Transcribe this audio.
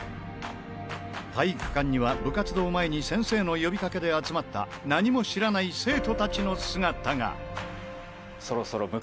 体育館には部活動前に先生の呼びかけで集まった何も知らない生徒たちの姿が。